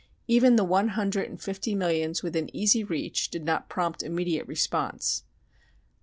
Even the one hundred and fifty millions within easy reach did not prompt immediate response.